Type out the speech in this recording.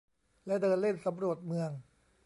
และเดินเล่นสำรวจเมือง